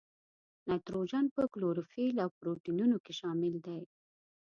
نایتروجن په کلوروفیل او پروټینونو کې شامل دی.